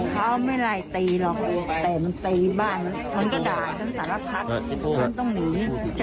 เขาไม่ไล่ตีหรอก